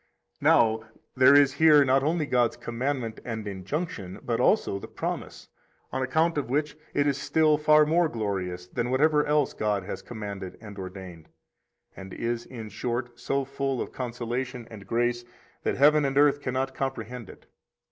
39 Now there is here not only God's commandment and injunction, but also the promise, on account of which it is still far more glorious than whatever else God has commanded and ordained, and is, in short, so full of consolation and grace that heaven and earth cannot comprehend it.